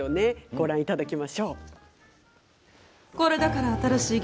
ご覧いただきましょう。